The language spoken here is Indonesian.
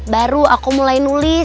baru aku mulai nulis